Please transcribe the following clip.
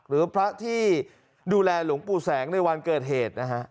หรือพระที่ดูแลหลวงปู่แสงในวันเกิดเหตุนะฮะ